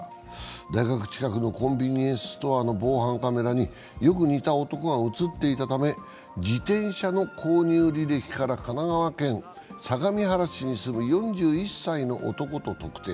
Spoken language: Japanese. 大学近くのコンビニエンスストアの防犯カメラによく似た男が映っていたため、自転車の購入履歴から神奈川県相模原市に住む４１歳の男と特定。